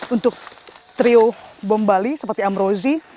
untuk trio bom bali seperti amrozi